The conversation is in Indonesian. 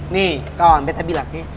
nih kawan bete bilang ya